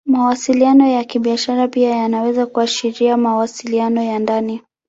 Mawasiliano ya Kibiashara pia yanaweza kuashiria mawasiliano ya ndani.